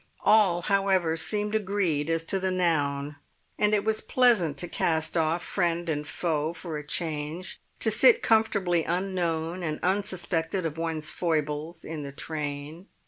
All, however, seemed agreed as to the noun; and it was pleasant to cast off friend and foe for a change, to sit comfortably unknown and unsuspected of one's foibles in the train.